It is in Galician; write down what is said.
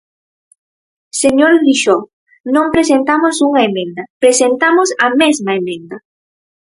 Señor Grixó, non presentamos unha emenda, presentamos a mesma emenda.